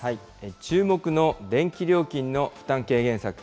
注目の電気料金の負担軽減策。